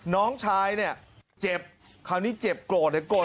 น้องชายเนี่ยเจ็บคราวนี้เจ็บโกรธเนี่ยโกรธ